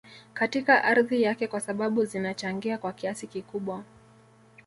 Katika ardhi yake kwa sababu zinachangia kwa kiasi kikubwa